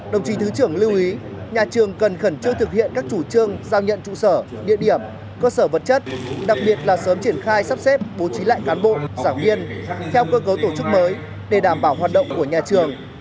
đồng chí thứ trưởng lưu ý nhà trường cần khẩn trương thực hiện các chủ trương giao nhận trụ sở địa điểm cơ sở vật chất đặc biệt là sớm triển khai sắp xếp bố trí lại cán bộ giảng viên theo cơ cấu tổ chức mới để đảm bảo hoạt động của nhà trường